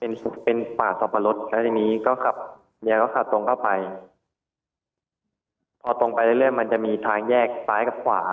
เป็นเป็นป่าสับปะรดแล้วทีนี้ก็ขับเมียก็ขับตรงเข้าไปพอตรงไปเรื่อยมันจะมีทางแยกซ้ายกับขวา